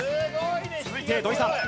続いて土居さん。